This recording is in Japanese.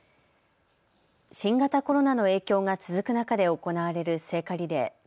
新型コロナの影響が続く中で行われる聖火リレー。